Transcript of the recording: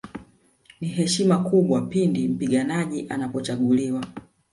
Ni heshima kubwa pindi mpiganaji anapochaguliwa